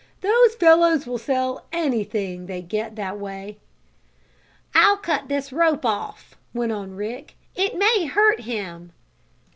"Those fellows will sell anything they get that way." "I'll cut this rope off," went on Rick. "It may hurt him."